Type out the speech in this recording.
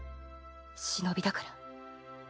忍だから